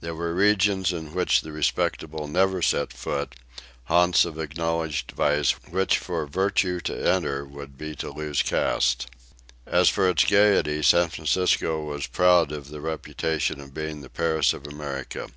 There were regions in which the respectable never set foot, haunts of acknowledged vice which for virtue to enter would be to lose caste. As for its gayety, San Francisco was proud of the reputation of being the Paris of America.